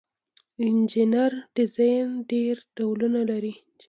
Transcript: انجنیری ډیزاین ډیر ډولونه لري.